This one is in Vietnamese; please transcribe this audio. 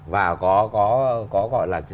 và có gọi là